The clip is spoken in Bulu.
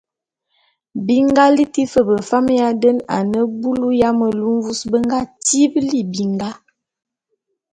Bi nga liti fe befam ya den a ne bulu ya melu mvus be nga tibili binga.